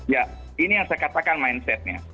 ya ini yang saya katakan mindset nya